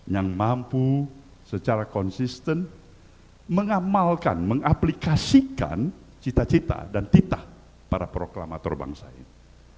yang mampu secara konsisten mengamalkan mengaplikasikan cita cita dan titah para proklamator bangsa ini